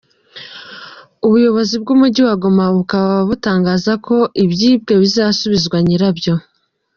Ubuyobozi bw’Umujyi wa Goma bukaba butangaza ko ibyibwe bizasubizwa nyirabyo.